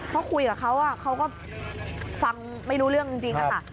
เพราะคุยกับเขาเขาก็ฟังไม่รู้เรื่องจริงค่ะ